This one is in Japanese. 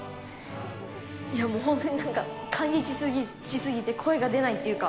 いやもう本当になんか感激しすぎて声が出ないっていうか。